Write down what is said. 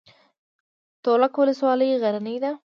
تولک ولسوالۍ غرنۍ ده؟